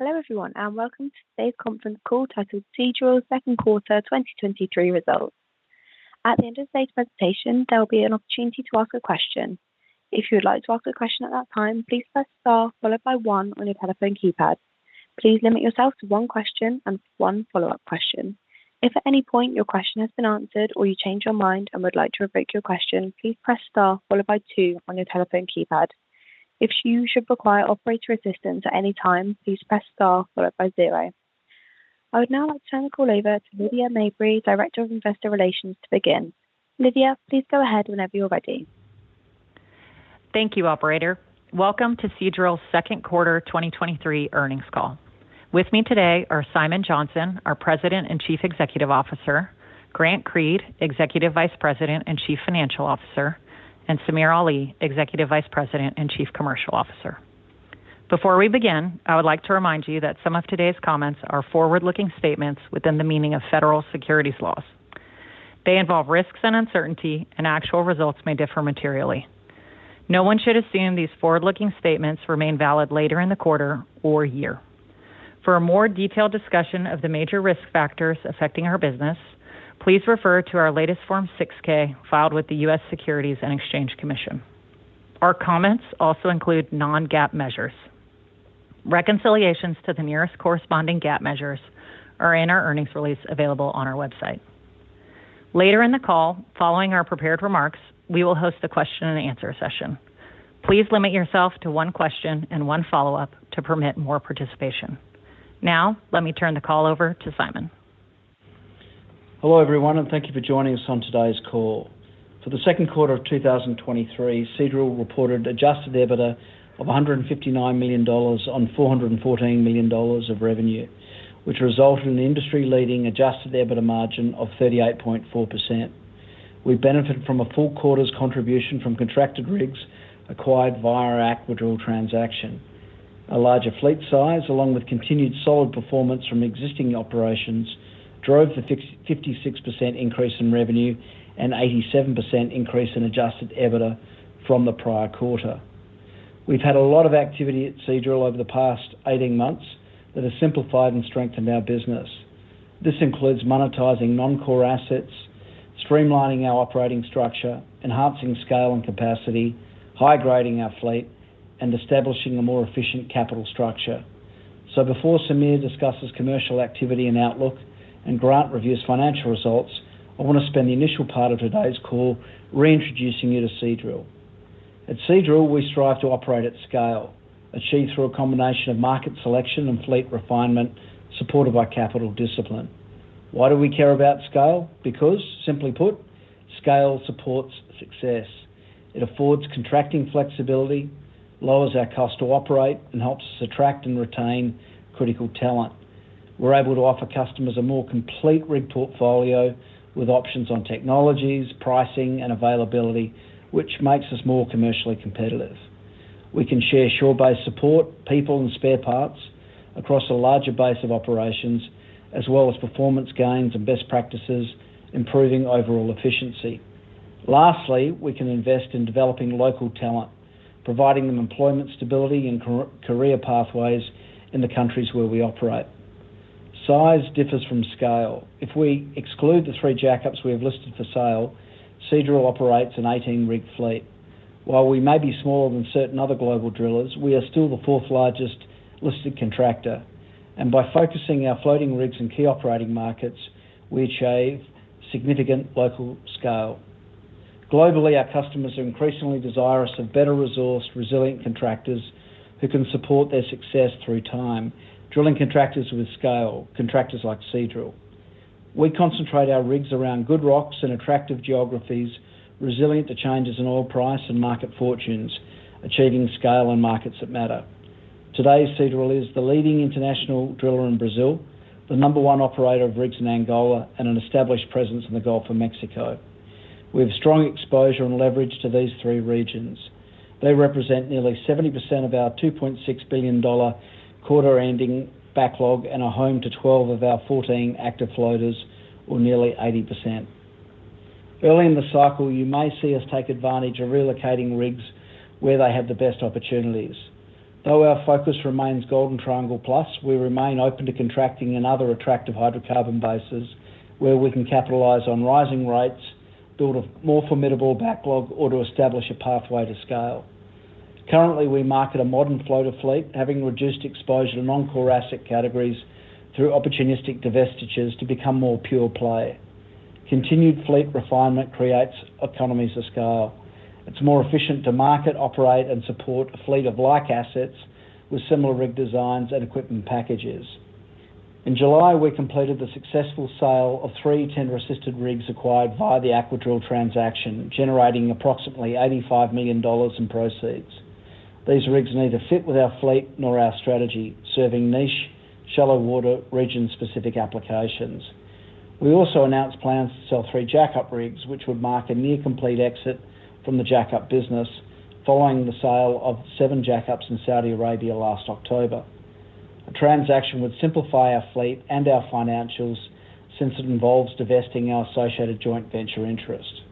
Hello everyone, and welcome to today's conference call titled, Seadrill Second Quarter 2023 Results. At the end of today's presentation, there will be an opportunity to ask a question. If you would like to ask a question at that time, please press star followed by one on your telephone keypad. Please limit yourself to one question and one follow-up question. If at any point your question has been answered or you change your mind and would like to repeat your question, please press star followed by two on your telephone keypad. If you should require operator assistance at any time, please press star followed by zero. I would now like to turn the call over to Lydia Mabry, Director of Investor Relations, to begin. Lydia, please go ahead whenever you're ready. Thank you, operator. Welcome to Seadrill's second quarter 2023 earnings call. With me today are Simon Johnson, our President and Chief Executive Officer, Grant Creed, Executive Vice President and Chief Financial Officer, and Samir Ali, Executive Vice President and Chief Commercial Officer. Before we begin, I would like to remind you that some of today's comments are forward-looking statements within the meaning of federal securities laws. They involve risks and uncertainty, actual results may differ materially. No one should assume these forward-looking statements remain valid later in the quarter or year. For a more detailed discussion of the major risk factors affecting our business, please refer to our latest Form 6-K, filed with the U.S. Securities and Exchange Commission. Our comments also include non-GAAP measures. Reconciliations to the nearest corresponding GAAP measures are in our earnings release available on our website. Later in the call, following our prepared remarks, we will host a question and answer session. Please limit yourself to one question and one follow-up to permit more participation. Now, let me turn the call over to Simon. Hello, everyone, and thank you for joining us on today's call. For the second quarter of 2023, Seadrill reported adjusted EBITDA of $159 million on $414 million of revenue, which resulted in an industry-leading adjusted EBITDA margin of 38.4%. We benefited from a full quarter's contribution from contracted rigs acquired via our Aquadrill transaction. A larger fleet size, along with continued solid performance from existing operations, drove the 56% increase in revenue and 87% increase in adjusted EBITDA from the prior quarter. We've had a lot of activity at Seadrill over the past 18 months that has simplified and strengthened our business. This includes monetizing non-core assets, streamlining our operating structure, enhancing scale and capacity, high-grading our fleet, and establishing a more efficient capital structure. Before Samir discusses commercial activity and outlook and Grant reviews financial results, I want to spend the initial part of today's call reintroducing you to Seadrill. At Seadrill, we strive to operate at scale, achieved through a combination of market selection and fleet refinement, supported by capital discipline. Why do we care about scale? Simply put, scale supports success. It affords contracting flexibility, lowers our cost to operate, and helps us attract and retain critical talent. We're able to offer customers a more complete rig portfolio with options on technologies, pricing, and availability, which makes us more commercially competitive. We can share shore-based support, people, and spare parts across a larger base of operations, as well as performance gains and best practices, improving overall efficiency. Lastly, we can invest in developing local talent, providing them employment stability and career pathways in the countries where we operate. Size differs from scale. If we exclude the 3 jackups we have listed for sale, Seadrill operates an 18-rig fleet. While we may be smaller than certain other global drillers, we are still the 4th largest listed contractor, and by focusing our floating rigs in key operating markets, we achieve significant local scale. Globally, our customers are increasingly desirous of better-resourced, resilient contractors who can support their success through time. Drilling contractors with scale, contractors like Seadrill. We concentrate our rigs around good rocks and attractive geographies, resilient to changes in oil price and market fortunes, achieving scale in markets that matter. Today, Seadrill is the leading international driller in Brazil, the number 1 operator of rigs in Angola, and an established presence in the Gulf of Mexico. We have strong exposure and leverage to these 3 regions. They represent nearly 70% of our $2.6 billion quarter-ending backlog and are home to 12 of our 14 active floaters, or nearly 80%. Early in the cycle, you may see us take advantage of relocating rigs where they have the best opportunities. Though our focus remains Golden Triangle Plus, we remain open to contracting in other attractive hydrocarbon bases where we can capitalize on rising rates, build a more formidable backlog, or to establish a pathway to scale. Currently, we market a modern floater fleet, having reduced exposure to non-core asset categories through opportunistic divestitures to become more pure-play. Continued fleet refinement creates economies of scale. It's more efficient to market, operate, and support a fleet of like assets with similar rig designs and equipment packages. In July, we completed the successful sale of 3 tender-assisted rigs acquired via the Aquadrill transaction, generating approximately $85 million in proceeds. These rigs neither fit with our fleet nor our strategy, serving niche, shallow-water, region-specific applications. We also announced plans to sell 3 jackup rigs, which would mark a near complete exit from the jackup business, following the sale of 7 jackups in Saudi Arabia last October. A transaction would simplify our fleet and our financials since it involves divesting our associated joint venture interest.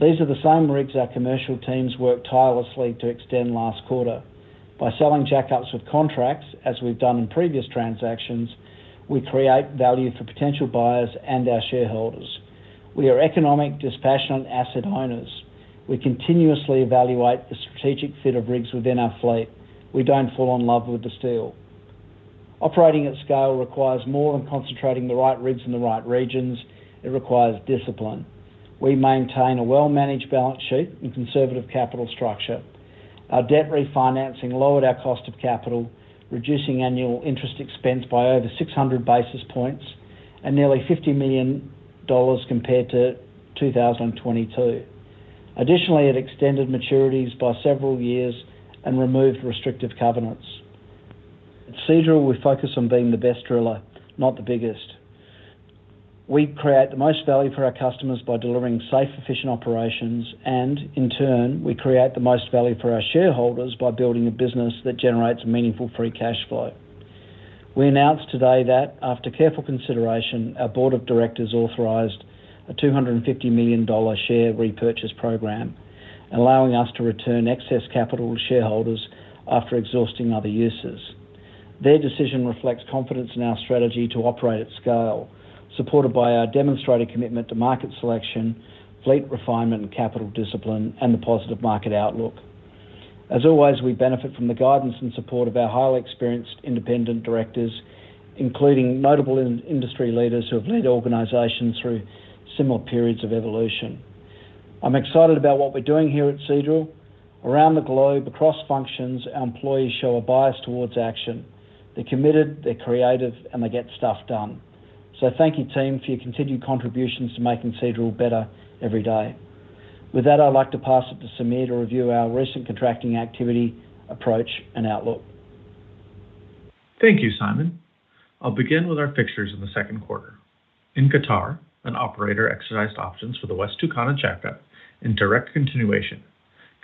These are the same rigs our commercial teams worked tirelessly to extend last quarter. By selling jackups with contracts, as we've done in previous transactions, we create value for potential buyers and our shareholders. We are economic, dispassionate asset owners. We continuously evaluate the strategic fit of rigs within our fleet. We don't fall in love with the steel. Operating at scale requires more than concentrating the right rigs in the right regions. It requires discipline. We maintain a well-managed balance sheet and conservative capital structure. Our debt refinancing lowered our cost of capital, reducing annual interest expense by over 600 basis points and nearly $50 million compared to 2022. It extended maturities by several years and removed restrictive covenants. At Seadrill, we focus on being the best driller, not the biggest. We create the most value for our customers by delivering safe, efficient operations, and in turn, we create the most value for our shareholders by building a business that generates meaningful free cash flow. We announced today that after careful consideration, our board of directors authorized a $250 million share repurchase program, allowing us to return excess capital to shareholders after exhausting other uses. Their decision reflects confidence in our strategy to operate at scale, supported by our demonstrated commitment to market selection, fleet refinement, and capital discipline, and the positive market outlook. As always, we benefit from the guidance and support of our highly experienced independent directors, including notable in-industry leaders who have led organizations through similar periods of evolution. I'm excited about what we're doing here at Seadrill. Around the globe, across functions, our employees show a bias towards action. They're committed, they're creative, and they get stuff done. Thank you, team, for your continued contributions to making Seadrill better every day. With that, I'd like to pass it to Samir to review our recent contracting activity, approach, and outlook. Thank you, Simon. I'll begin with our fixtures in the second quarter. In Qatar, an operator exercised options for the West Tucana jackup in direct continuation,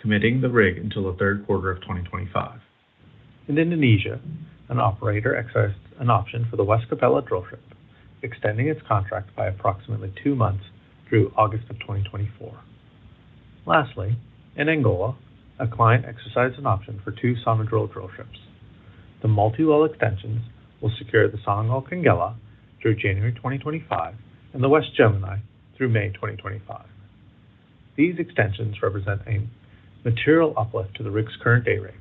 committing the rig until the 3rd quarter of 2025. In Indonesia, an operator exercised an option for the West Capella drillship, extending its contract by approximately 2 months through August of 2024. Lastly, in Angola, a client exercised an option for 2 Seadrill drillships. The multi-well extensions will secure the Sonangol Quenguela through January 2025 and the West Gemini through May 2025. These extensions represent a material uplift to the rig's current day rates.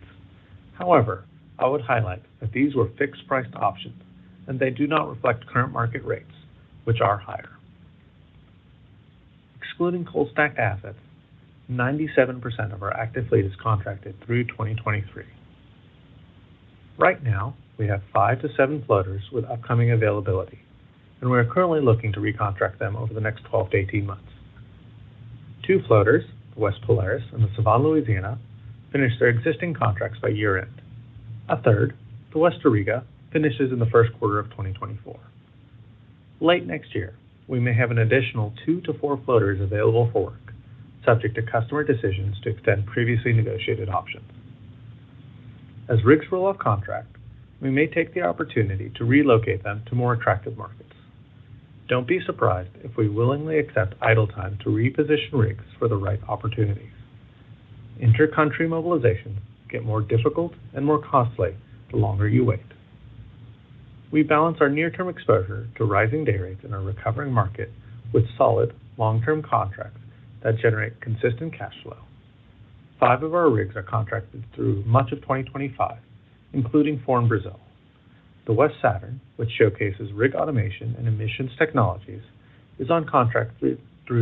However, I would highlight that these were fixed-priced options, and they do not reflect current market rates, which are higher. Excluding cold-stacked assets, 97% of our active fleet is contracted through 2023. Right now, we have 5-7 floaters with upcoming availability, and we are currently looking to recontract them over the next 12-18 months. Two floaters, West Polaris and the Sevan Louisiana, finish their existing contracts by year-end. A third, the West Auriga, finishes in the first quarter of 2024. Late next year, we may have an additional 2-4 floaters available for work, subject to customer decisions to extend previously negotiated options. As rigs roll off contract, we may take the opportunity to relocate them to more attractive markets. Don't be surprised if we willingly accept idle time to reposition rigs for the right opportunities. Intercountry mobilizations get more difficult and more costly the longer you wait. We balance our near-term exposure to rising day rates in our recovering market with solid long-term contracts that generate consistent cash flow. 5 of our rigs are contracted through much of 2025, including four in Brazil. The West Saturn, which showcases rig automation and emissions technologies, is on contract through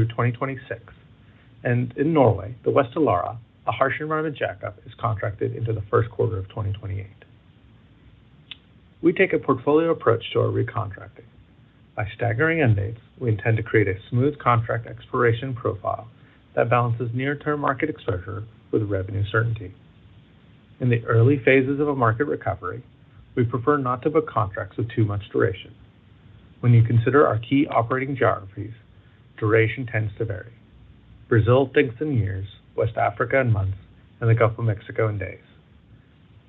2026, and in Norway, the West Elara, a harsh environment jackup, is contracted into Q1 2028. We take a portfolio approach to our recontracting. By staggering end dates, we intend to create a smooth contract expiration profile that balances near-term market exposure with revenue certainty. In the early phases of a market recovery, we prefer not to book contracts with too much duration. When you consider our key operating geographies, duration tends to vary. Brazil thinks in years, West Africa in months, and the Gulf of Mexico in days.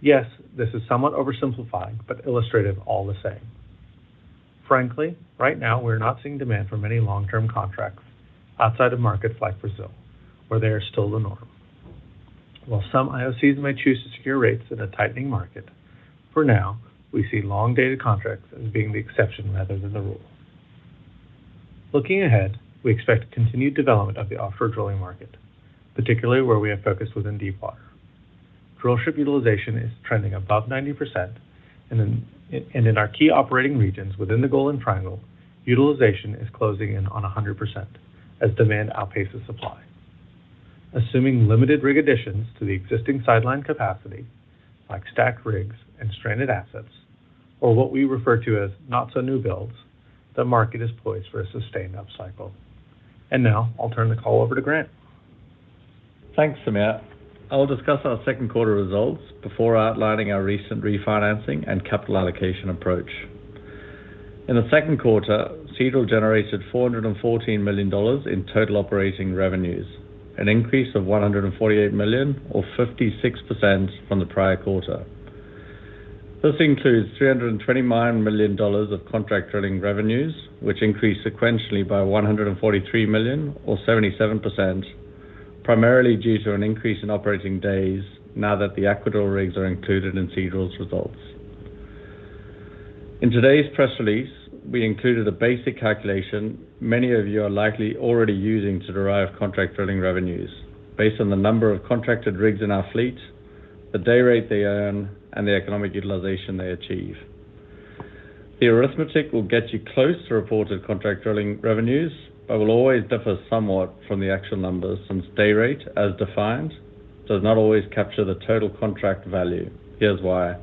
Yes, this is somewhat oversimplified, but illustrative all the same. Frankly, right now, we're not seeing demand for many long-term contracts outside of markets like Brazil, where they are still the norm. While some IOCs may choose to secure rates in a tightening market, for now, we see long-dated contracts as being the exception rather than the rule. Looking ahead, we expect continued development of the offshore drilling market, particularly where we have focused within deep water. Drillship utilization is trending above 90%, and in our key operating regions within the Golden Triangle, utilization is closing in on 100% as demand outpaces supply. Assuming limited rig additions to the existing sideline capacity, like stacked rigs and stranded assets, or what we refer to as not-so-newbuilds, the market poised for a sustained upcycle. Now I'll turn the call over to Grant. Thanks, Samir. I will discuss our second quarter results before outlining our recent refinancing and capital allocation approach. In the second quarter, Seadrill generated $414 million in total operating revenues, an increase of $148 million or 56% from the prior quarter. This includes $329 million of contract drilling revenues, which increased sequentially by $143 million or 77%, primarily due to an increase in operating days now that the Aquadrill rigs are included in Seadrill's results. In today's press release, we included a basic calculation many of you are likely already using to derive contract drilling revenues based on the number of contracted rigs in our fleet, the day rate they earn, and the economic utilization they achieve. The arithmetic will get you close to reported contract drilling revenues, but will always differ somewhat from the actual numbers, since day rate, as defined, does not always capture the total contract value. Here's why: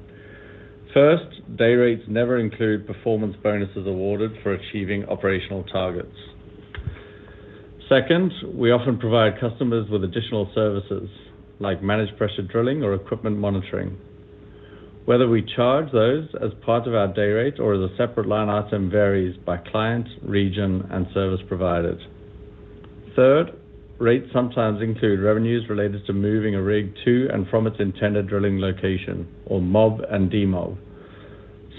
First, day rates never include performance bonuses awarded for achieving operational targets. Second, we often provide customers with additional services like managed pressure drilling or equipment monitoring. Whether we charge those as part of our day rate or as a separate line item, varies by client, region, and service providers. Third, rates sometimes include revenues related to moving a rig to and from its intended drilling location or mob and demob.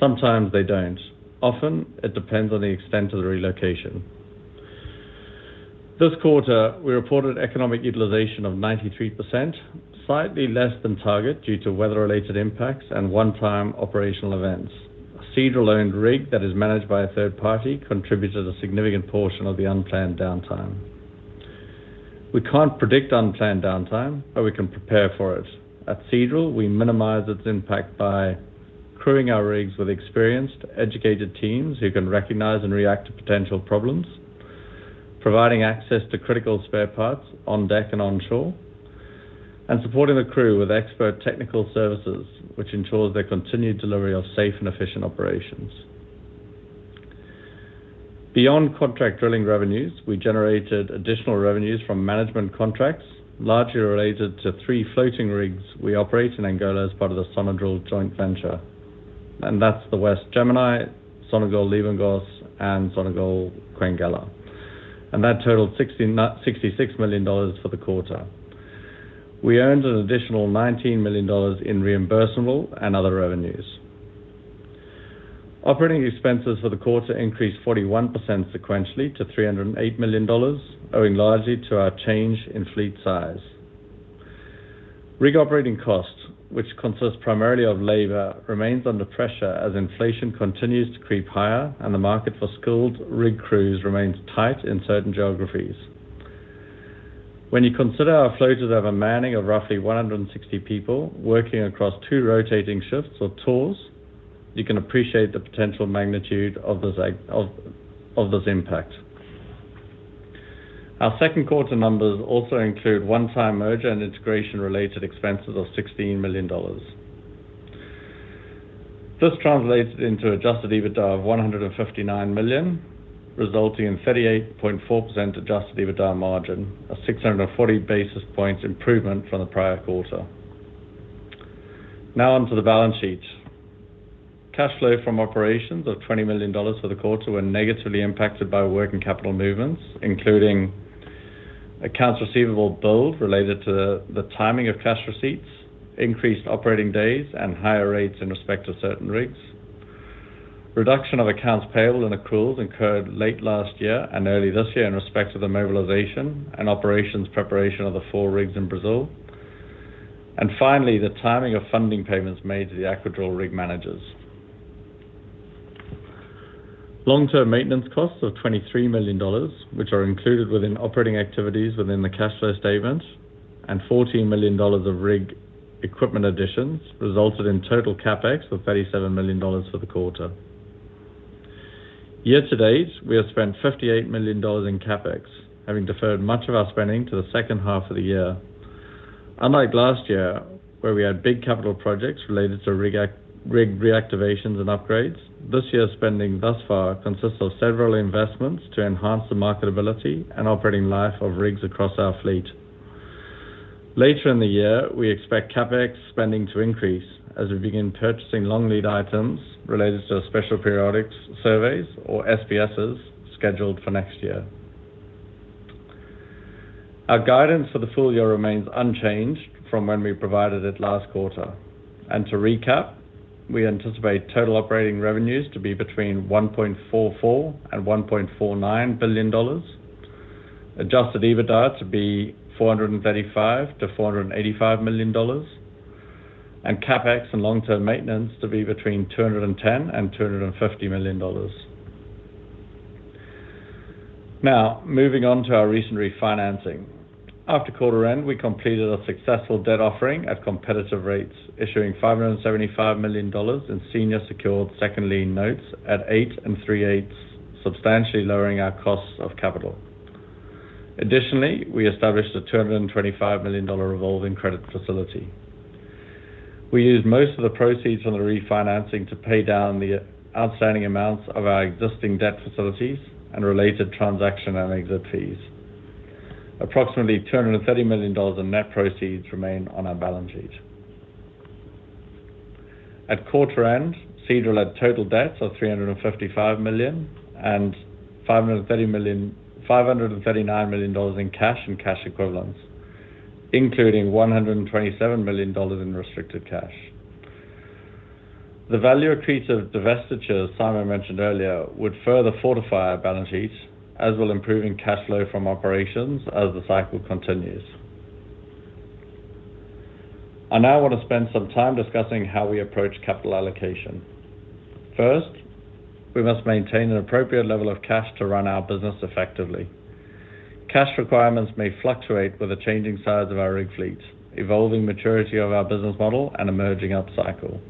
Sometimes they don't. Often, it depends on the extent of the relocation. This quarter, we reported economic utilization of 93%, slightly less than target due to weather-related impacts and one-time operational events. Seadrill-owned rig that is managed by a third party, contributed a significant portion of the unplanned downtime. We can't predict unplanned downtime, but we can prepare for it. At Seadrill, we minimize its impact by crewing our rigs with experienced, educated teams who can recognize and react to potential problems, providing access to critical spare parts on deck and onshore, and supporting the crew with expert technical services, which ensures the continued delivery of safe and efficient operations. Beyond contract drilling revenues, we generated additional revenues from management contracts, largely related to three floating rigs we operate in Angola as part of the Sonadrill joint venture, and that's the West Gemini, Sonangol Libongos, and Sonangol Quenguela, and that totaled $66 million for the quarter. We earned an additional $19 million in reimbursable and other revenues. Operating expenses for the quarter increased 41% sequentially to $308 million, owing largely to our change in fleet size. Rig operating costs, which consists primarily of labor, remains under pressure as inflation continues to creep higher and the market for skilled rig crews remains tight in certain geographies. When you consider our floaters have a manning of roughly 160 people working across two rotating shifts or tours, you can appreciate the potential magnitude of this impact. Our second quarter numbers also include one-time merger and integration-related expenses of $16 million. This translates into adjusted EBITDA of $159 million, resulting in 38.4% adjusted EBITDA margin, a 640 basis points improvement from the prior quarter. On to the balance sheet. Cash flow from operations of $20 million for the quarter were negatively impacted by working capital movements, including accounts receivable build related to the timing of cash receipts, increased operating days, and higher rates in respect to certain rigs. Reduction of accounts payable and accruals incurred late last year and early this year in respect to the mobilization and operations preparation of the four rigs in Brazil. Finally, the timing of funding payments made to the Aquadrill rig managers. Long-term maintenance costs of $23 million, which are included within operating activities within the cash flow statement, and $14 million of rig equipment additions, resulted in total CapEx of $37 million for the quarter. Year to date, we have spent $58 million in CapEx, having deferred much of our spending to the second half of the year. Unlike last year, where we had big capital projects related to rig reactivations and upgrades, this year's spending thus far consists of several investments to enhance the marketability and operating life of rigs across our fleet. Later in the year, we expect CapEx spending to increase as we begin purchasing long lead items related to special periodic surveys or SPSs, scheduled for next year. Our guidance for the full year remains unchanged from when we provided it last quarter. To recap, we anticipate total operating revenues to be between $1.44 billion and $1.49 billion, adjusted EBITDA to be $435 million to $485 million, and CapEx and long-term maintenance to be between $210 million and $250 million. Moving on to our recent refinancing. After quarter end, we completed a successful debt offering at competitive rates, issuing $575 million in senior secured second lien notes at 8.375%, substantially lowering our costs of capital. Additionally, we established a $225 million revolving credit facility. We used most of the proceeds from the refinancing to pay down the outstanding amounts of our existing debt facilities and related transaction and exit fees. Approximately $230 million in net proceeds remain on our balance sheet. At quarter end, Seadrill had total debts of $355 million and $539 million in cash and cash equivalents, including $127 million in restricted cash. The value accretive divestitures Simon mentioned earlier would further fortify our balance sheet, as will improving cash flow from operations as the cycle continues. I now want to spend some time discussing how we approach capital allocation. First, we must maintain an appropriate level of cash to run our business effectively. Cash requirements may fluctuate with the changing size of our rig fleet, evolving maturity of our business model, and emerging upcycle.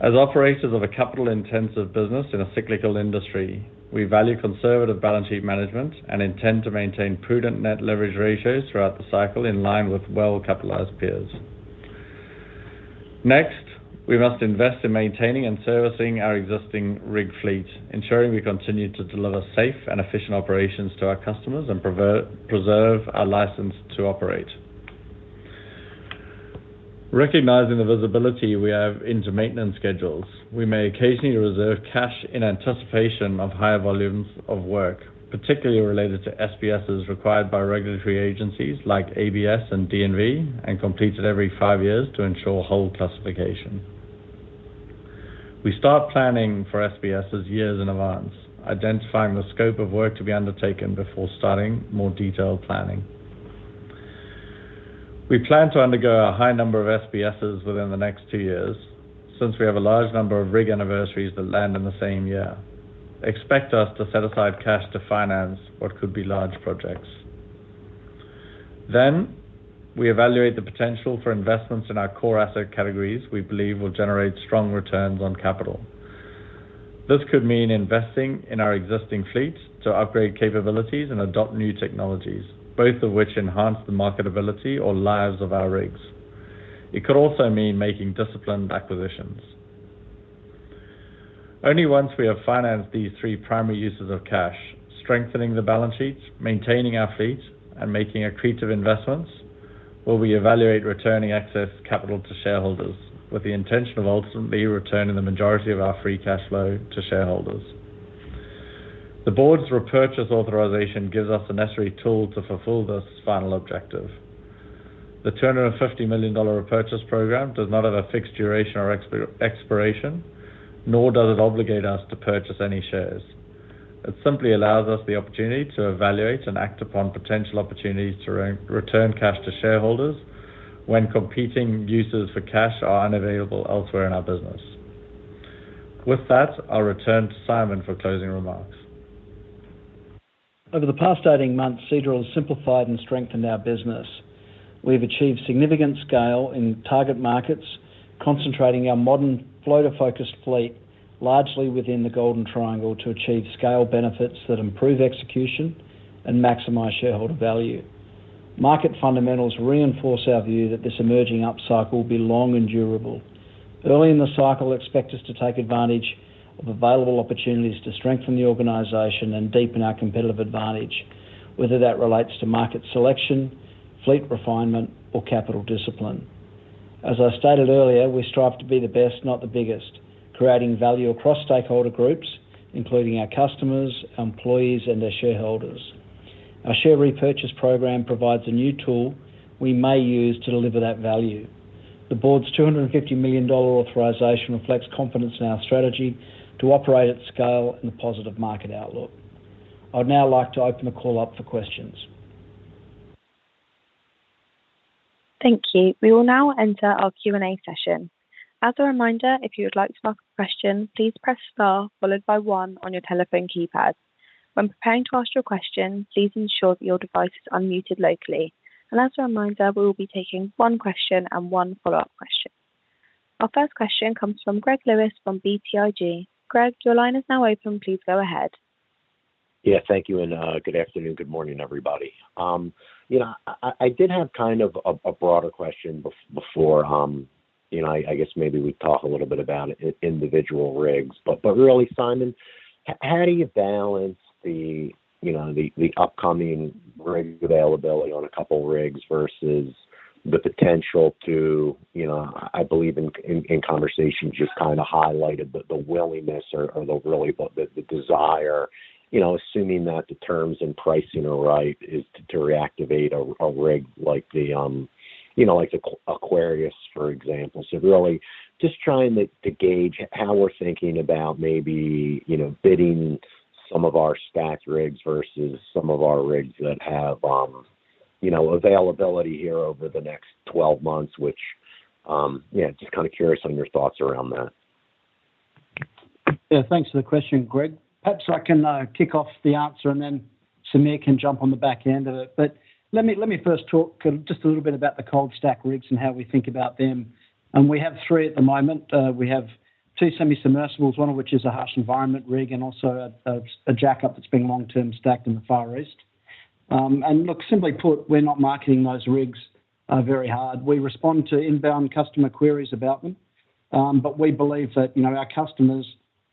As operators of a capital-intensive business in a cyclical industry, we value conservative balance sheet management and intend to maintain prudent net leverage ratios throughout the cycle, in line with well-capitalized peers. Next, we must invest in maintaining and servicing our existing rig fleet, ensuring we continue to deliver safe and efficient operations to our customers and preserve our license to operate. Recognizing the visibility we have into maintenance schedules, we may occasionally reserve cash in anticipation of higher volumes of work, particularly related to SPSs required by regulatory agencies like ABS and DNV, and completed every 5 years to ensure whole classification. We start planning for SPSs years in advance, identifying the scope of work to be undertaken before starting more detailed planning. We plan to undergo a high number of SPSs within the next 2 years, since we have a large number of rig anniversaries that land in the same year. Expect us to set aside cash to finance what could be large projects. We evaluate the potential for investments in our core asset categories we believe will generate strong returns on capital. This could mean investing in our existing fleet to upgrade capabilities and adopt new technologies, both of which enhance the marketability or lives of our rigs. It could also mean making disciplined acquisitions. Only once we have financed these three primary uses of cash, strengthening the balance sheet, maintaining our fleet, and making accretive investments, will we evaluate returning excess capital to shareholders, with the intention of ultimately returning the majority of our free cash flow to shareholders. The board's repurchase authorization gives us the necessary tool to fulfill this final objective. The $250 million repurchase program does not have a fixed duration or expiration, nor does it obligate us to purchase any shares. It simply allows us the opportunity to evaluate and act upon potential opportunities to return cash to shareholders when competing uses for cash are unavailable elsewhere in our business. With that, I'll return to Simon for closing remarks. Over the past 18 months, Seadrill has simplified and strengthened our business. We've achieved significant scale in target markets, concentrating our modern floater-focused fleet, largely within the Golden Triangle, to achieve scale benefits that improve execution and maximize shareholder value. Market fundamentals reinforce our view that this emerging upcycle will be long and durable. Early in the cycle, expect us to take advantage of available opportunities to strengthen the organization and deepen our competitive advantage, whether that relates to market selection, fleet refinement, or capital discipline. As I stated earlier, we strive to be the best, not the biggest, creating value across stakeholder groups, including our customers, employees, and their shareholders. Our share repurchase program provides a new tool we may use to deliver that value. The board's $250 million authorization reflects confidence in our strategy to operate at scale in a positive market outlook. I'd now like to open the call up for questions. Thank you. We will now enter our Q&A session. As a reminder, if you would like to ask a question, please press star followed by one on your telephone keypad. When preparing to ask your question, please ensure that your device is unmuted locally. As a reminder, we will be taking one question and one follow-up question. Our first question comes from Greg Lewis from BTIG. Greg, your line is now open. Please go ahead. Yeah, thank you, and good afternoon, good morning, everybody. Yeah, I did have kind of a broader question before, you know, I guess maybe we talk a little bit about individual rigs. But really, Simon, how do you balance the, you know, the, the upcoming rig availability on a couple rigs versus the potential to, you know, I believe in, in, in conversations, just kinda highlighted the, the willingness or, or the really the, the, the desire, you know, assuming that the terms and pricing are right, is to, to reactivate a, a rig like the, you know, like Aquarius, for example. Really just trying to, to gauge how we're thinking about maybe, you know, bidding some of our stacked rigs versus some of our rigs that have, you know, availability here over the next 12 months, which, yeah, just kinda curious on your thoughts around that. Yeah, thanks for the question, Greg. Perhaps I can kick off the answer and then Samir can jump on the back end of it. Let me, let me first talk just a little bit about the cold-stacked rigs and how we think about them. We have three at the moment. We have two semi-submersibles, one of which is a harsh environment rig, and also a jackup that's been long-term stacked in the Far East. Look, simply put, we're not marketing those rigs very hard. We respond to inbound customer queries about them, but we believe that, you know, our customers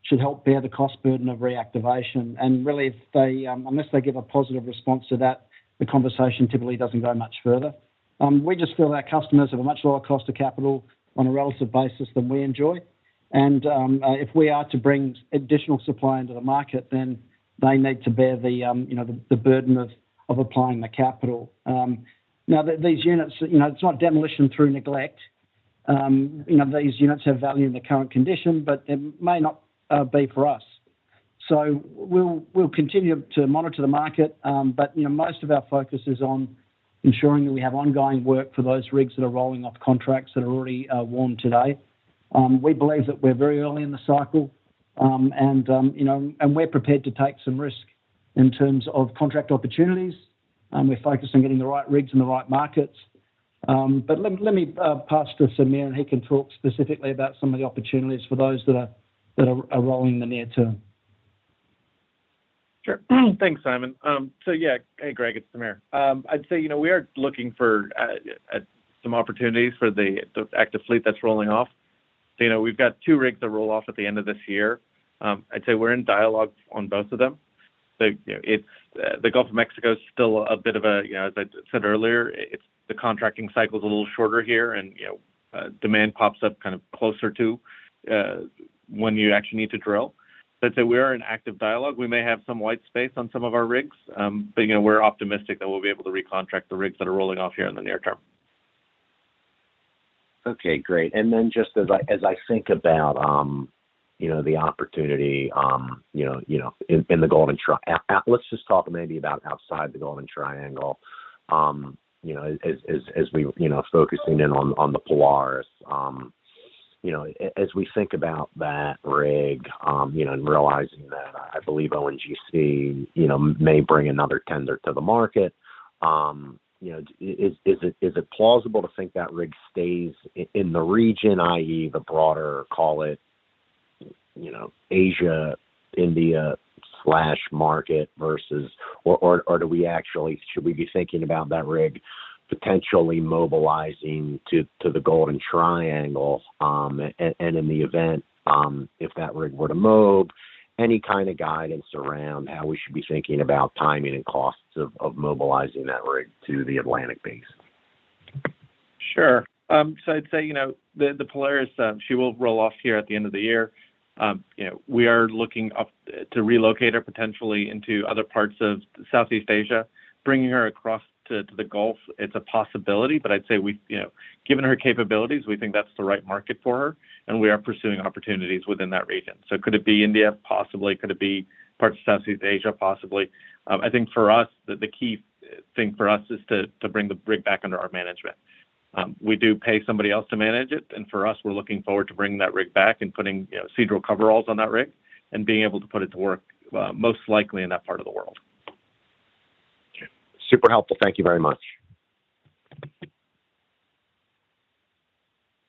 should help bear the cost burden of reactivation. Really, if they unless they give a positive response to that, the conversation typically doesn't go much further. We just feel our customers have a much lower cost of capital on a relative basis than we enjoy. If we are to bring additional supply into the market, then they need to bear the, you know, the burden of applying the capital. Now, these units, you know, it's not demolition through neglect. You know, these units have value in the current condition, but they may not be for us. We'll, we'll continue to monitor the market, but, you know, most of our focus is on ensuring that we have ongoing work for those rigs that are rolling off contracts that are already won today. We believe that we're very early in the cycle, and, you know, and we're prepared to take some risk in terms of contract opportunities, and we're focused on getting the right rigs in the right markets. Let, let me pass to Samir, and he can talk specifically about some of the opportunities for those that are rolling in the near term. Sure. Thanks, Simon. Yeah. Hey, Greg, it's Samir. I'd say, you know, we are looking for some opportunities for the active fleet that's rolling off. You know, we've got 2 rigs that roll off at the end of this year. I'd say we're in dialogue on both of them. You know, it's, the Gulf of Mexico is still a bit of a... You know, as I said earlier, it's, the contracting cycle is a little shorter here, and, you know, demand pops up kind of closer to when you actually need to drill. Let's say we are in active dialogue, we may have some white space on some of our rigs, but, you know, we're optimistic that we'll be able to recontract the rigs that are rolling off here in the near term. Okay, great. Just as I, as I think about, you know, the opportunity, you know, you know, in the Golden Triangle. Let's just talk maybe about outside the Golden Triangle. As we, you know, focusing in on the Polaris. As we think about that rig, you know, and realizing that I believe ONGC, you know, may bring another tender to the market, you know, is it plausible to think that rig stays in the region, i.e., the broader, call it, you know, Asia, India market versus, do we actually, should we be thinking about that rig potentially mobilizing to the Golden Triangle? In the event, if that rig were to move, any kind of guidance around how we should be thinking about timing and costs of mobilizing that rig to the Atlantic Basin? Sure. I'd say, you know, the, the Polaris, she will roll off here at the end of the year. You know, we are looking up to relocate her potentially into other parts of Southeast Asia. Bringing her across to the Gulf, it's a possibility, but I'd say we, you know, given her capabilities, we think that's the right market for her, and we are pursuing opportunities within that region. Could it be India? Possibly. Could it be parts of Southeast Asia? Possibly. I think for us, the, the key thing for us is to bring the rig back under our management. We do pay somebody else to manage it, and for us, we're looking forward to bringing that rig back and putting, you know, Seadrill coveralls on that rig and being able to put it to work, most likely in that part of the world. Okay. Super helpful. Thank you very much.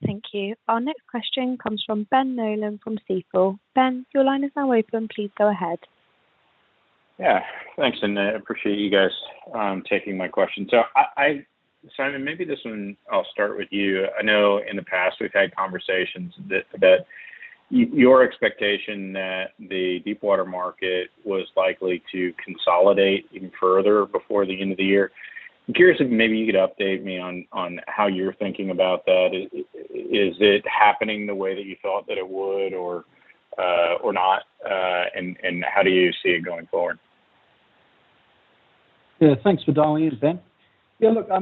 Thank you. Our next question comes from Ben Nolan from Stifel. Ben, your line is now open. Please go ahead. Yeah. Thanks, and appreciate you guys taking my question. Simon, maybe this one, I'll start with you. I know in the past, we've had conversations that your expectation that the deepwater market was likely to consolidate even further before the end of the year. I'm curious if maybe you could update me on how you're thinking about that. Is it happening the way that you thought that it would or not? And how do you see it going forward? Yeah, thanks for dialing in, Ben. Yeah, look, I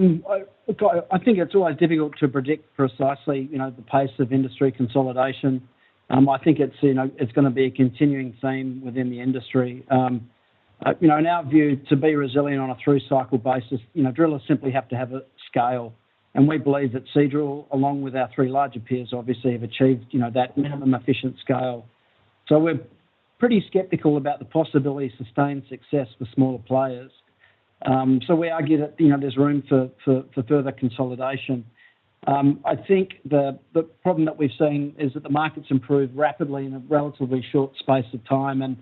think it's always difficult to predict precisely, you know, the pace of industry consolidation. I think it's, you know, it's gonna be a continuing theme within the industry. You know, in our view, to be resilient on a through-cycle basis, you know, drillers simply have to have a scale. We believe that Seadrill, along with our three larger peers, obviously, have achieved, you know, that minimum efficient scale. We're pretty skeptical about the possibility of sustained success for smaller players. We argue that, you know, there's room for further consolidation. I think the problem that we've seen is that the market's improved rapidly in a relatively short space of time, and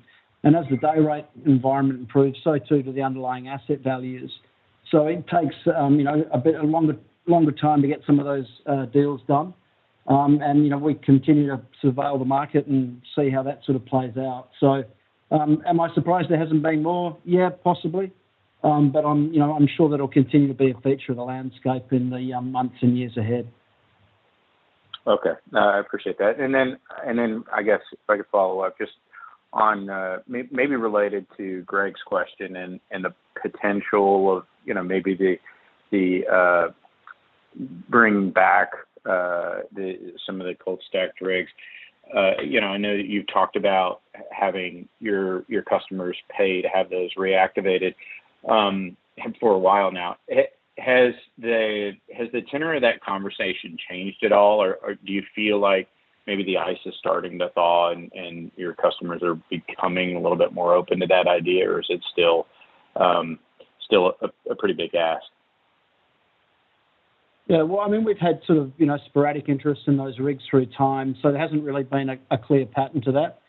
as the day rate environment improves, so too do the underlying asset values. It takes, you know, a bit, a longer, longer time to get some of those deals done. You know, we continue to surveil the market and see how that sort of plays out. Am I surprised there hasn't been more? Yeah, possibly. I'm, you know, I'm sure that it'll continue to be a feature of the landscape in the months and years ahead. Okay. No, I appreciate that. Then, I guess, if I could follow up just on, maybe related to Greg's question and the potential of, you know, maybe the, the, bringing back, the, some of the cold-stacked rigs. You know, I know that you've talked about having your, your customers pay to have those reactivated, for a while now. Has the tenor of that conversation changed at all, or do you feel like maybe the ice is starting to thaw, and your customers are becoming a little bit more open to that idea, or is it still, still a, a pretty big ask? Yeah, well, I mean, we've had sort of, you know, sporadic interest in those rigs through time, so there hasn't really been a, a clear pattern to that.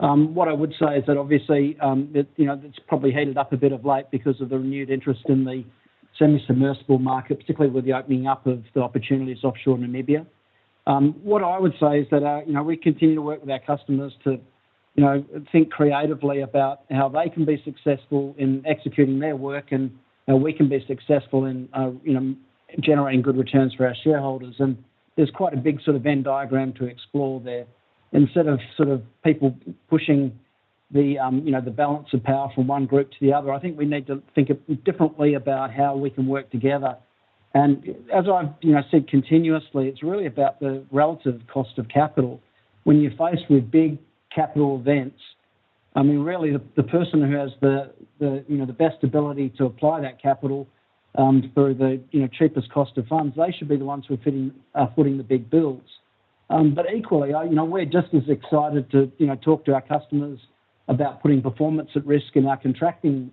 What I would say is that obviously, it, you know, it's probably heated up a bit of late because of the renewed interest in the semi-submersible market, particularly with the opening up of the opportunities offshore Namibia. What I would say is that, you know, we continue to work with our customers to you know, think creatively about how they can be successful in executing their work, and how we can be successful in, you know, generating good returns for our shareholders. There's quite a big sort of Venn diagram to explore there. Instead of sort of people pushing the, you know, the balance of power from one group to the other, I think we need to think differently about how we can work together. As I've, you know, said continuously, it's really about the relative cost of capital. When you're faced with big capital events, I mean, really, the, the person who has the, the, you know, the best ability to apply that capital for the, you know, cheapest cost of funds, they should be the ones who are fitting, footing the big bills. Equally, I, you know, we're just as excited to, you know, talk to our customers about putting performance at risk in our contracting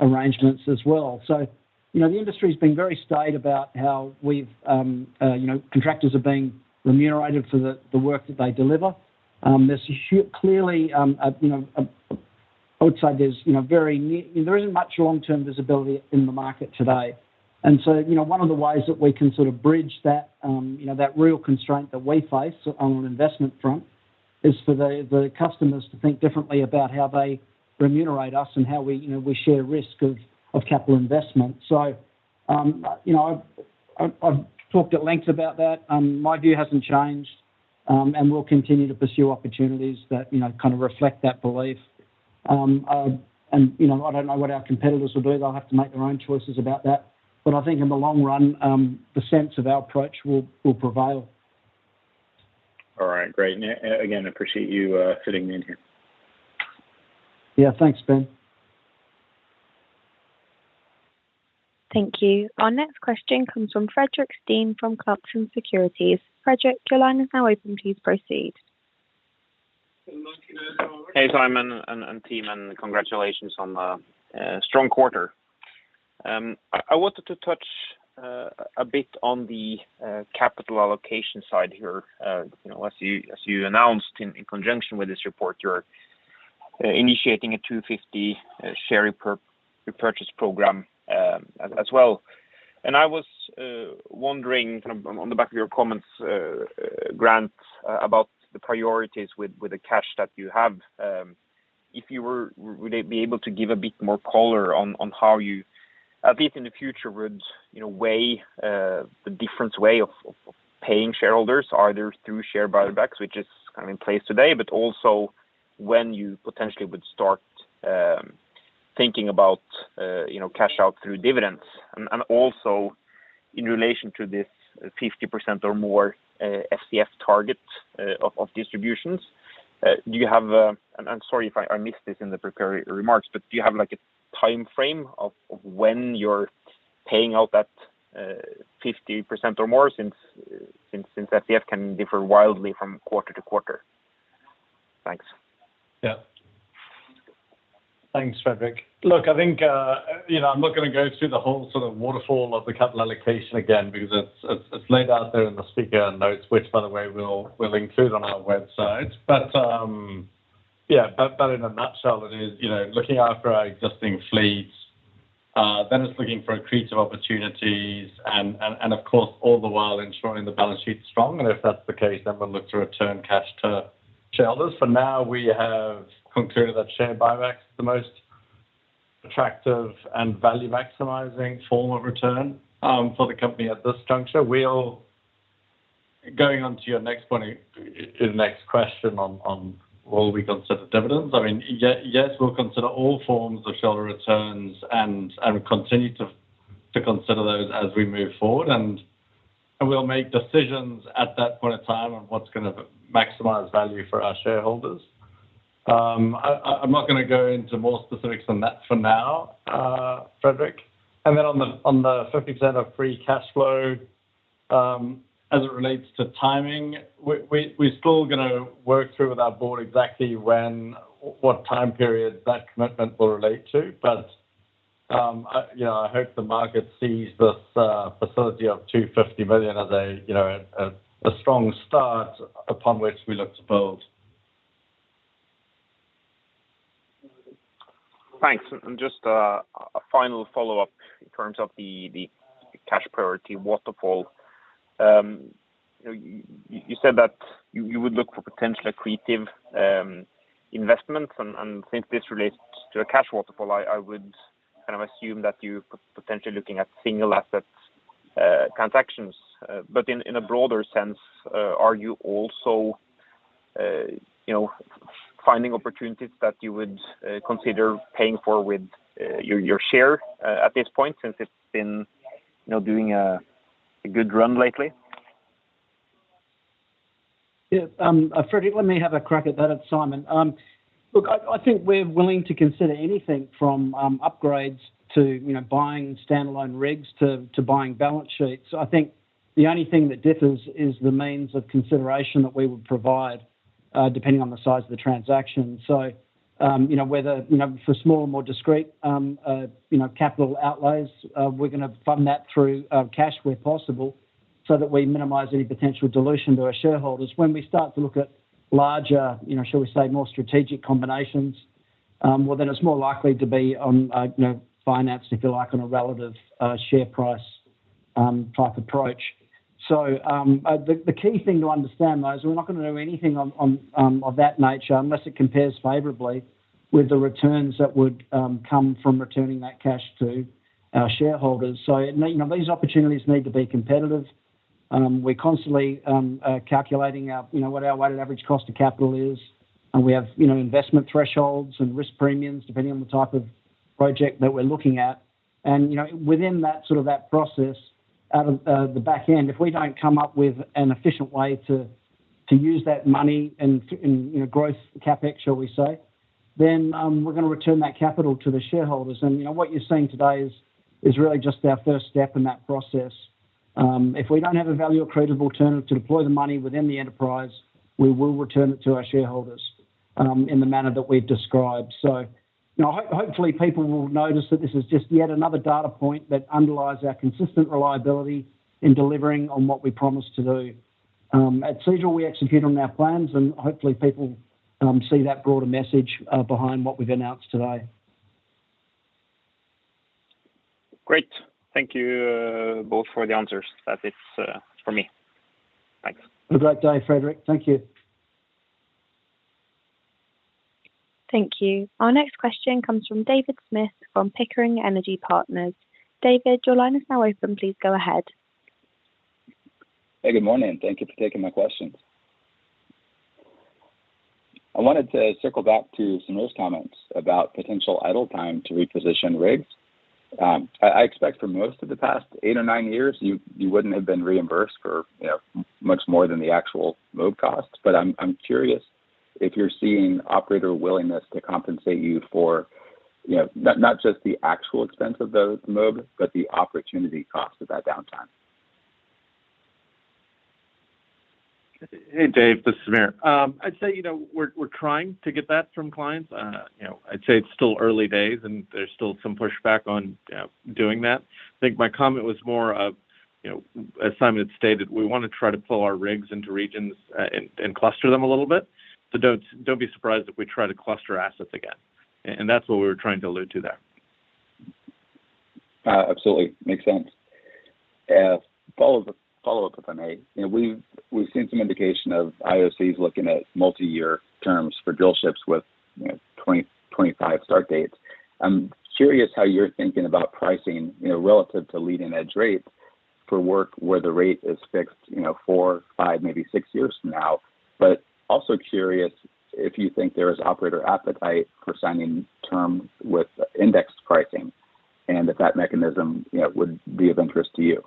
arrangements as well. You know, the industry's been very staid about how we've, you know, contractors are being remunerated for the, the work that they deliver. There's clearly, you know, Outside there's, you know, very there isn't much long-term visibility in the market today. You know, one of the ways that we can sort of bridge that, you know, that real constraint that we face on an investment front is for the, the customers to think differently about how they remunerate us and how we, you know, we share risk of, of capital investment. You know, I've, I've, I've talked at length about that. My view hasn't changed, and we'll continue to pursue opportunities that, you know, kind of reflect that belief. You know, I don't know what our competitors will do, they'll have to make their own choices about that, but I think in the long run, the sense of our approach will, will prevail. All right, great. Again, I appreciate you fitting me in here. Yeah. Thanks, Ben. Thank you. Our next question comes from Fredrik Stene from Clarksons Securities. Fredrik, your line is now open. Please proceed. Hey, Simon and team, congratulations on the strong quarter. I wanted to touch a bit on the capital allocation side here. You know, as you announced in conjunction with this report, you're initiating a $250 million share repurchase program as well. I was wondering, kind of on the back of your comments, Grant, about the priorities with the cash that you have. If you would you be able to give a bit more color on how you, a bit in the future, would, you know, weigh the different way of paying shareholders, either through share buybacks, which is kind of in place today, but also when you potentially would start thinking about, you know, cash out through dividends? Also in relation to this 50% or more FCF target of distributions, I'm sorry if I missed this in the prepared remarks, but do you have, like, a timeframe of when you're paying out that 50% or more, since FCF can differ wildly from quarter to quarter? Thanks. Yeah. Thanks, Fredrik. Look, I think, you know, I'm not gonna go through the whole sort of waterfall of the capital allocation again, because it's laid out there in the speaker notes, which, by the way, we'll, we'll include on our website. Yeah, but, but in a nutshell, it is, you know, looking after our existing fleets, then it's looking for accretive opportunities and of course, all the while ensuring the balance sheet is strong. If that's the case, then we'll look to return cash to shareholders. For now, we have concluded that share buyback is the most attractive and value-maximizing form of return for the company at this juncture. We are... Going on to your next point, your next question on will we consider dividends? I mean, yeah, yes, we'll consider all forms of shareholder returns and, and continue to, to consider those as we move forward, and, and we'll make decisions at that point in time on what's gonna maximize value for our shareholders. I, I, I'm not gonna go into more specifics on that for now, Fredrik. Then on the, on the 50% of free cash flow, as it relates to timing, we, we, we're still gonna work through with our board exactly when, what time period that commitment will relate to. I, you know, I hope the market sees this, facility of $250 billion as a, you know, a, a, a strong start upon which we look to build. Thanks. Just a final follow-up in terms of the cash priority waterfall. You know, you said that you would look for potential accretive investments, and since this relates to a cash waterfall, I would kind of assume that you're potentially looking at single assets transactions. But in a broader sense, are you also, you know, finding opportunities that you would consider paying for with your share at this point, since it's been, you know, doing a good run lately? Yeah, Fredrik, let me have a crack at that. It's Simon. Look, I, I think we're willing to consider anything from upgrades to, you know, buying standalone rigs to, to buying balance sheets. I think the only thing that differs is the means of consideration that we would provide, depending on the size of the transaction. You know, whether, you know, for smaller, more discrete, you know, capital outlays, we're gonna fund that through cash where possible, so that we minimize any potential dilution to our shareholders. When we start to look at larger, you know, shall we say, more strategic combinations, well, then it's more likely to be on, you know, finance, if you like, on a relative, share price, type approach. The key thing to understand, though, is we're not gonna do anything on, on, of that nature unless it compares favorably with the returns that would come from returning that cash to our shareholders. You know, these opportunities need to be competitive. We're constantly calculating our, you know, what our weighted average cost of capital is, and we have, you know, investment thresholds and risk premiums, depending on the type of project that we're looking at. You know, within that sort of that process, out of the back end, if we don't come up with an efficient way to, to use that money and to, and, you know, growth CapEx, shall we say, then, we're gonna return that capital to the shareholders. You know, what you're seeing today is, is really just our first step in that process. If we don't have a value or credible alternative to deploy the money within the enterprise, we will return it to our shareholders, in the manner that we've described. You know, hopefully, people will notice that this is just yet another data point that underlies our consistent reliability in delivering on what we promised to do. At Seadrill, we execute on our plans, and hopefully, people, see that broader message behind what we've announced today. Great. Thank you, both for the answers. That's it, for me. Thanks. Have a great day, Fredrik. Thank you. Thank you. Our next question comes from David Smith from Pickering Energy Partners. David, your line is now open. Please go ahead. Hey, good morning. Thank you for taking my questions. I wanted to circle back to Samir's comments about potential idle time to reposition rigs. I, I expect for most of the past eight or nine years, you, you wouldn't have been reimbursed for, you know, much more than the actual move costs, but I'm, I'm curious if you're seeing operator willingness to compensate you for, you know, not just the actual expense of the move, but the opportunity cost of that downtime? Hey, Dave, this is Samir. I'd say, you know, we're, we're trying to get that from clients. You know, I'd say it's still early days, and there's still some pushback on doing that. I think my comment was more of, you know, as Simon had stated, we wanna try to pull our rigs into regions, and, and cluster them a little bit. Don't, don't be surprised if we try to cluster assets again, and that's what we were trying to allude to there. Absolutely. Makes sense. Follow-up, if I may. You know, we've, we've seen some indication of IOCs looking at multi-year terms for drillships with, you know, 2025 start dates. I'm curious how you're thinking about pricing, you know, relative to leading-edge rates for work where the rate is fixed, you know, four, five, maybe six years from now, but also curious if you think there is operator appetite for signing terms with indexed pricing, and if that mechanism, you know, would be of interest to you?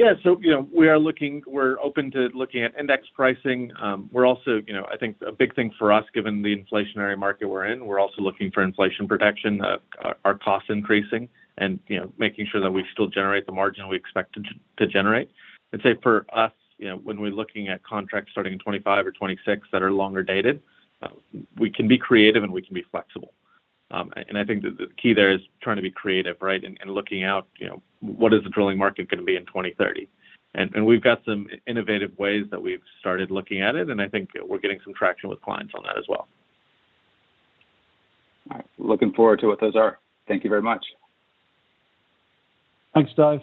Yeah, you know, we are looking... We're open to looking at index pricing. We're also, you know, I think a big thing for us, given the inflationary market we're in, we're also looking for inflation protection. Are costs increasing? You know, making sure that we still generate the margin we expect it to, to generate. I'd say for us, you know, when we're looking at contracts starting in 2025 or 2026 that are longer dated, w-we can be creative, and we can be flexible. I think the, the key there is trying to be creative, right? Looking out, you know, what is the drilling market gonna be in 2030? We've got some i-innovative ways that we've started looking at it, and I think we're getting some traction with clients on that as well. All right. Looking forward to what those are. Thank you very much. Thanks, Dave.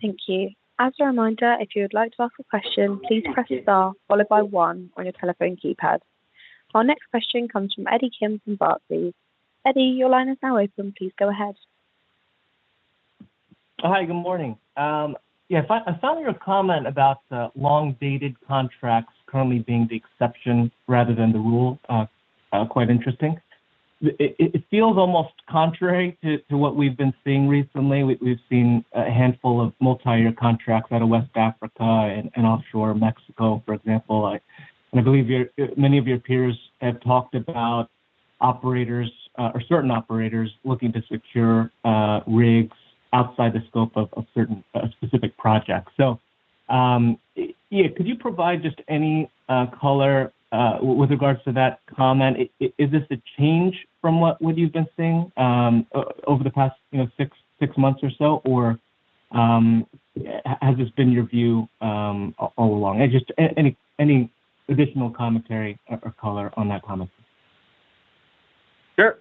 Thank you. As a reminder, if you would like to ask a question, please press star followed by one on your telephone keypad. Our next question comes from Eddie Kim from Barclays. Eddie, your line is now open. Please go ahead. Hi, good morning. Yeah, I found, I found your comment about long-dated contracts currently being the exception rather than the rule quite interesting. It feels almost contrary to what we've been seeing recently. We've seen a handful of multi-year contracts out of West Africa and offshore Mexico, for example. I believe your, many of your peers have talked about operators, or certain operators looking to secure rigs outside the scope of certain, of specific projects. Yeah, could you provide just any color with regards to that comment? Is this a change from what you've been seeing over the past, you know, six, six months or so, or has this been your view along? Just any additional commentary or color on that comment. Sure.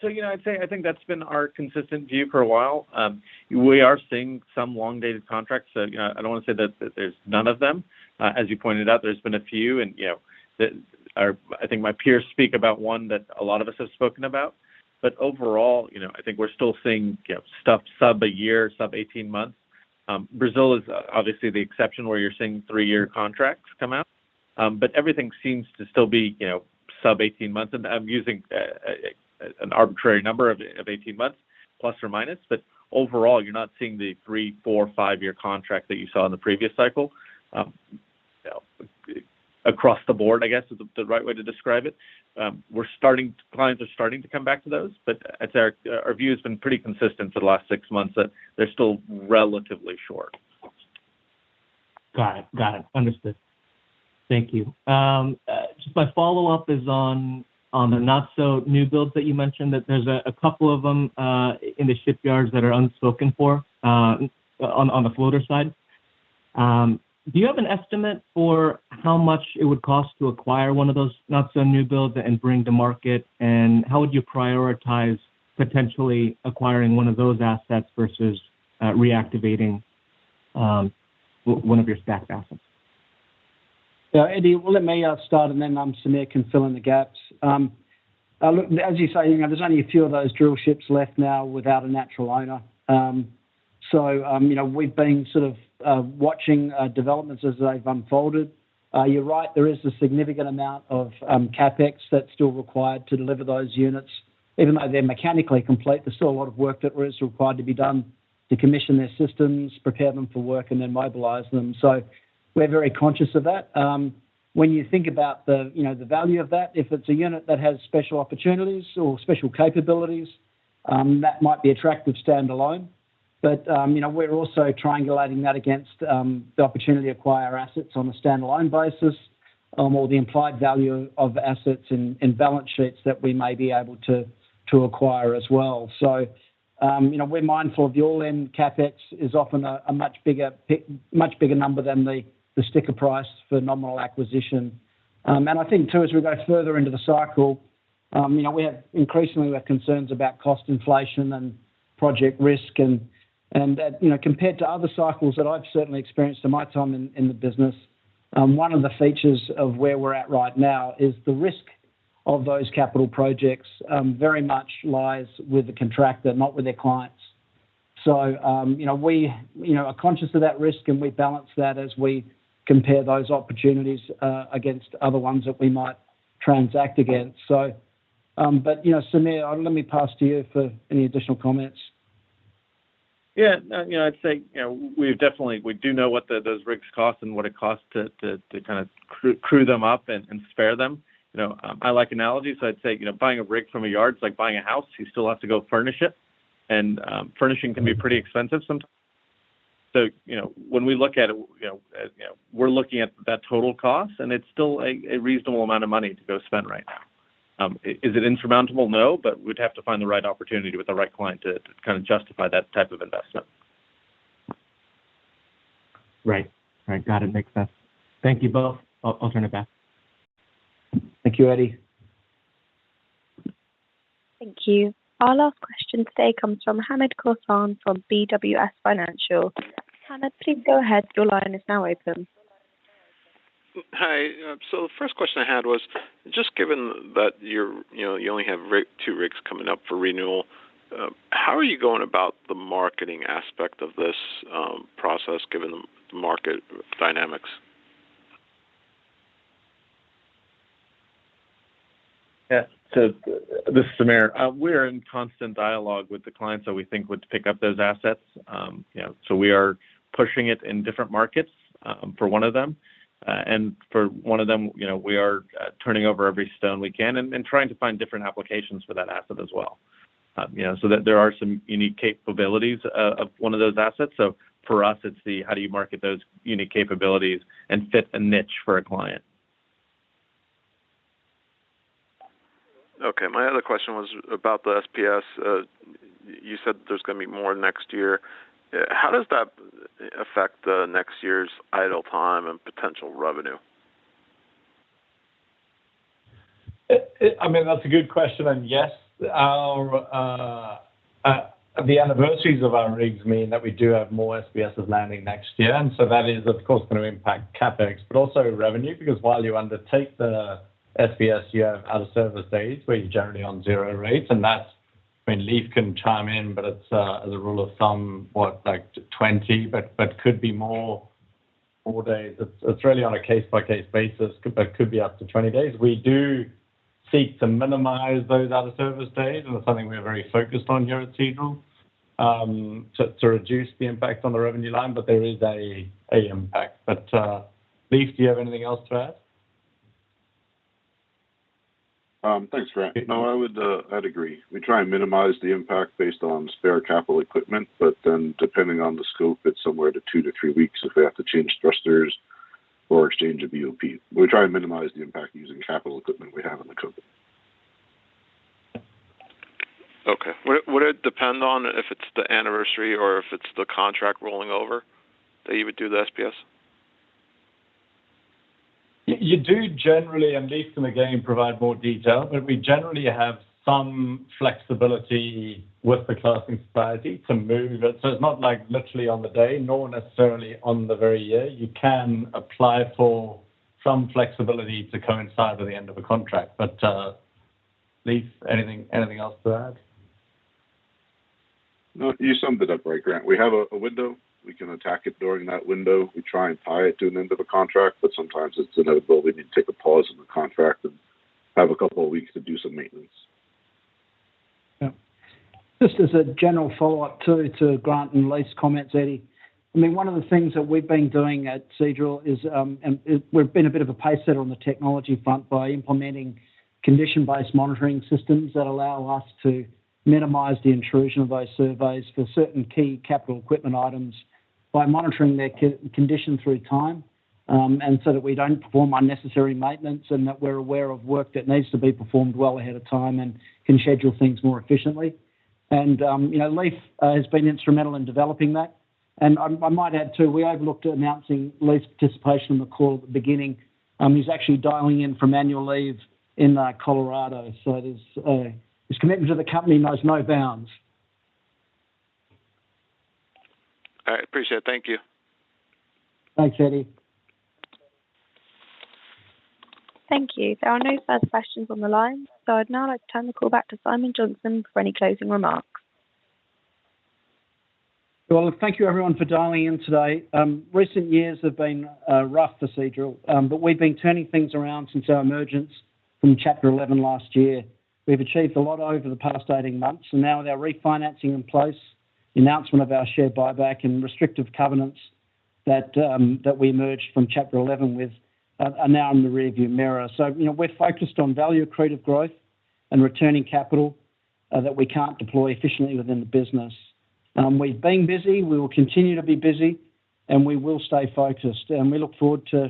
So, you know, I'd say I think that's been our consistent view for a while. We are seeing some long-dated contracts, so, you know, I don't wanna say that, that there's none of them. As you pointed out, there's been a few, and, you know, the, I think my peers speak about one that a lot of us have spoken about. Overall, you know, I think we're still seeing, you know, stuff sub a year, sub 18 months. Brazil is obviously the exception, where you're seeing 3-year contracts come out. Everything seems to still be, you know, sub 18 months, and I'm using an arbitrary number of, of 18 months, plus or minus, but overall, you're not seeing the 3, 4, 5-year contract that you saw in the previous cycle. You know, across the board, I guess, is the, the right way to describe it. Clients are starting to come back to those, but as I said, our, our view has been pretty consistent for the last six months, that they're still relatively short. Got it. Got it. Understood. Thank you. Just my follow-up is on, on the not-so-newbuilds that you mentioned, that there's a, a couple of them, in the shipyards that are unspoken for, on, on the floater side. Do you have an estimate for how much it would cost to acquire one of those not-so-newbuilds and bring to market? How would you prioritize potentially acquiring one of those assets versus reactivating one of your stacked assets? Yeah, Eddie, well, let me start, then Samir can fill in the gaps. Look, as you say, you know, there's only a few of those drillships left now without a natural owner. You know, we've been sort of watching developments as they've unfolded. You're right, there is a significant amount of CapEx that's still required to deliver those units. Even though they're mechanically complete, there's still a lot of work that is required to be done to commission their systems, prepare them for work, and then mobilize them, we're very conscious of that. When you think about the, you know, the value of that, if it's a unit that has special opportunities or special capabilities, that might be attractive standalone. You know, we're also triangulating that against the opportunity to acquire assets on a standalone basis, or the implied value of assets in balance sheets that we may be able to acquire as well. You know, we're mindful of the all-in CapEx is often a much bigger number than the sticker price for nominal acquisition. I think, too, as we go further into the cycle, you know, we have increasingly we have concerns about cost inflation and project risk and that, you know, compared to other cycles that I've certainly experienced in my time in the business, one of the features of where we're at right now is the risk of those capital projects very much lies with the contractor, not with their clients. You know, we, you know, are conscious of that risk, and we balance that as we compare those opportunities against other ones that we might transact against. You know, Samir, let me pass to you for any additional comments. Yeah, no, you know, I'd say, you know, we've definitely we do know what those rigs cost and what it costs to kind of crew them up and spare them. You know, I like analogies, I'd say, you know, buying a rig from a yard is like buying a house. You still have to go furnish it, and furnishing can be pretty expensive sometimes. You know, when we look at it, you know, we're looking at that total cost, and it's still a reasonable amount of money to go spend right now. Is it insurmountable? No, but we'd have to find the right opportunity with the right client to kind of justify that type of investment. Right. Right. Got it. Makes sense. Thank you both. I'll, I'll turn it back. Thank you, Eddie. Thank you. Our last question today comes from Hamed Khorsand, from BWS Financial. Hamed, please go ahead. Your line is now open. Hi, The first question I had was, just given that you're, you know, you only have rig, two rigs coming up for renewal, how are you going about the marketing aspect of this, process, given the market dynamics? Yeah, so this is Samir. We're in constant dialogue with the clients that we think would pick up those assets. You know, so we are pushing it in different markets for one of them. For one of them, you know, we are turning over every stone we can and, and trying to find different applications for that asset as well. You know, so there, there are some unique capabilities of one of those assets, so for us, it's the how do you market those unique capabilities and fit a niche for a client? Okay, my other question was about the SPS. You said there's gonna be more next year. How does that affect the next year's idle time and potential revenue? It, it, I mean, that's a good question, and yes, our, the anniversaries of our rigs mean that we do have more SPSes landing next year, and so that is, of course, going to impact CapEx, but also revenue, because while you undertake the SPS, you have out-of-service days where you're generally on zero rates, and that's. I mean, Leif can chime in, but it's as a rule of thumb, what, like, 20 but, but could be more, more days. It's, it's really on a case-by-case basis, but could be up to 20 days. We do seek to minimize those out-of-service days, and it's something we are very focused on here at Seadrill, to, to reduce the impact on the revenue line, but there is a, a impact. Leif, do you have anything else to add? Thanks, Grant. No, I would, I'd agree. We try and minimize the impact based on spare capital equipment, but then, depending on the scope, it's somewhere to 2-3 weeks if we have to change thrusters or change a BOP. We try and minimize the impact using capital equipment we have in the company. Okay, would it, would it depend on if it's the anniversary or if it's the contract rolling over, that you would do the SPS? You do generally, and Leif can again provide more detail, we generally have some flexibility with the classing society to move it, so it's not like literally on the day, nor necessarily on the very year. You can apply for some flexibility to coincide with the end of a contract. Leif, anything, anything else to add? No, you summed it up great, Grant. We have a window. We can attack it during that window. We try and tie it to an end of a contract. Sometimes it's inevitable. We need to take a pause in the contract and have a couple of weeks to do some maintenance. Yeah. Just as a general follow-up, too, to Grant and Leif's comments, Eddie, I mean, one of the things that we've been doing at Seadrill is, we've been a bit of a pacesetter on the technology front by implementing condition-based monitoring systems that allow us to minimize the intrusion of those surveys for certain key capital equipment items by monitoring their condition through time. So that we don't perform unnecessary maintenance, and that we're aware of work that needs to be performed well ahead of time and can schedule things more efficiently. You know, Leif has been instrumental in developing that, and I, I might add, too, we overlooked announcing Leif's participation on the call at the beginning. He's actually dialing in from annual leave in Colorado, so there's his commitment to the company knows no bounds. All right, appreciate it. Thank you. Thanks, Eddie. Thank you. There are no further questions on the line. I'd now like to turn the call back to Simon Johnson for any closing remarks. Well, thank you everyone for dialing in today. Recent years have been rough for Seadrill, but we've been turning things around since our emergence from Chapter 11 last year. We've achieved a lot over the past 18 months, and now with our refinancing in place, the announcement of our share buyback and restrictive covenants that we emerged from Chapter 11 with are now in the rearview mirror. You know, we're focused on value-accretive growth and returning capital that we can't deploy efficiently within the business. We've been busy, we will continue to be busy, and we will stay focused, and we look forward to,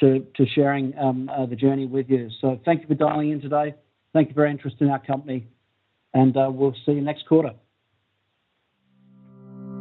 to, to sharing the journey with you. Thank you for dialing in today. Thank you for your interest in our company, and we'll see you next quarter.